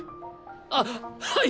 あっはい！